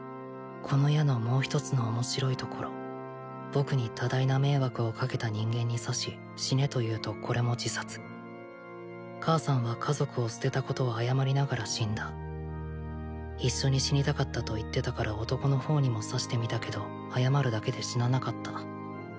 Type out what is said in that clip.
この矢のもう一つの面白いところ僕に多大な迷惑をかけた人間に刺し死ねというとこれも自殺母さんは家族を捨てたことを謝りながら死んだ一緒に死にたかったと言ってたから男の方にも刺してみたけど謝るだけで死ななかった